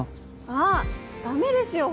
あっダメですよ！